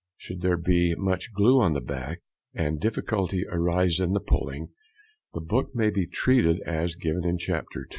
Should there be much glue on the back, and difficulty arise in the pulling, the book may be treated as given in Chapter II.